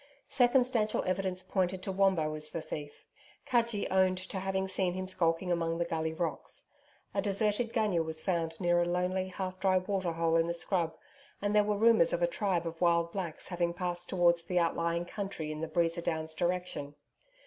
Circumstantial evidence pointed to Wombo as the thief. Cudgee owned to having seen him skulking among the Gully rocks. A deserted gunya was found near a lonely, half dry waterhole in the scrub, and there were rumours of a tribe of wild blacks having passed towards the outlying country in the Breeza Downs direction.